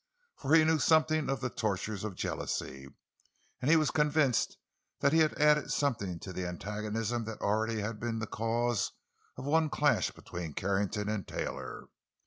For he knew something of the tortures of jealousy, and he was convinced that he had added something to the antagonism that already had been the cause of one clash between Carrington and Taylor.